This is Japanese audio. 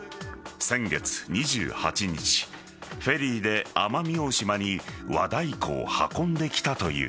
先月２８日、フェリーで奄美大島に和太鼓を運んできたという。